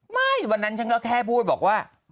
ไม่วันนั้นฉันก็แค่พูดบอกว่า